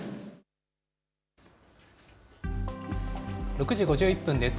６時５１分です。